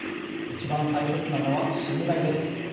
一番大切なのは信頼です。